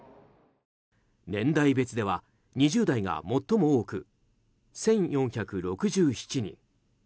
年代別では２０代が最も多く１４６７人。